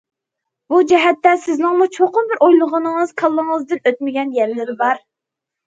بۇ جەھەتتە سىزنىڭمۇ چوقۇم بىر ئويلىغىنىڭىز، كاللىڭىزدىن ئۆتمىگەن يەرلىرى بار.